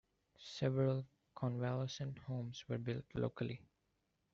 Several convalescent homes were built locally.